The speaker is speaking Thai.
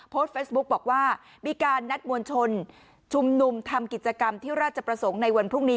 โพสต์เฟซบุ๊กบอกว่ามีการนัดมวลชนชุมนุมทำกิจกรรมที่ราชประสงค์ในวันพรุ่งนี้